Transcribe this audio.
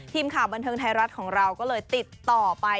ทีมข่าวบันเทิงไทยรัฐของเราก็เลยติดต่อไป